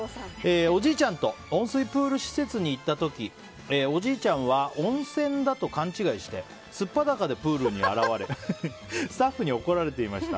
おじいちゃんと温水プール施設に行った時おじいちゃんは温泉だと勘違いして素っ裸でプールに現れスタッフに怒られていました。